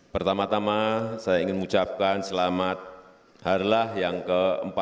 pertama tama saya ingin mengucapkan selamat harlah yang ke empat puluh